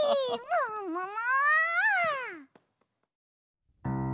ももも！